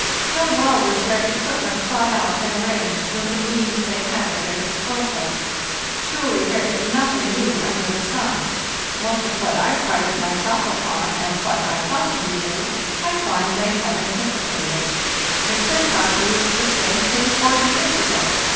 How well was their equipment thought out and arranged, with the means they had at their disposal! Truly, there is noth ing new under the sun. Most of what I prided myself upon, and what I thought to be new, I find they had anticipated. M'Clintock used the same thing forty years ago.